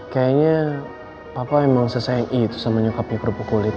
kayanya papa emang sesayang i itu sama nyokapnya kerupuk kulit